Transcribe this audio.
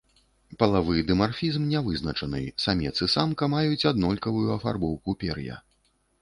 Палавы дымарфізм не вызначаны, самец і самка маюць аднолькавую афарбоўку пер'я.